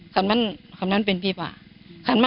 คันมันคันมันเป็นพี่บ้า